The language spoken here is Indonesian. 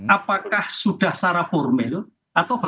apakah sudah secara formal atau tidak